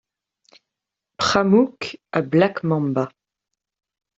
Pramuk à Black Mamba.